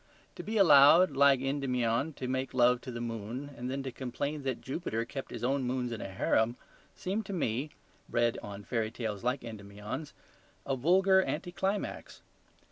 To be allowed, like Endymion, to make love to the moon and then to complain that Jupiter kept his own moons in a harem seemed to me (bred on fairy tales like Endymion's) a vulgar anti climax.